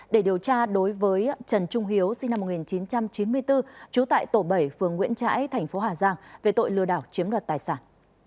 để điều tra đối với trần trung hiếu sinh năm một nghìn chín trăm chín mươi bốn trú tại tổ bảy phường nguyễn trãi tp hà giang về tội lừa đảo chiếm đoạt tài sản